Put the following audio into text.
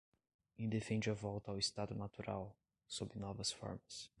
e defende a volta ao estado natural, sob novas formas